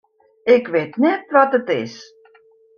Ik wit net wat it is.